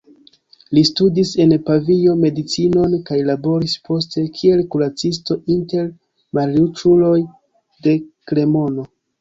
Li studis en Pavio medicinon kaj laboris poste kiel kuracisto inter malriĉuloj de Kremono.